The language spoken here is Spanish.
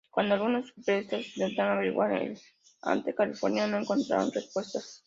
Cuando algunos periodistas intentaron averiguar en el Ente de Calificación, no encontraron respuesta.